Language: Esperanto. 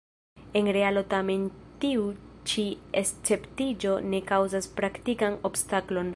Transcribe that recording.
En realo tamen tiu ĉi esceptiĝo ne kaŭzas praktikan obstaklon.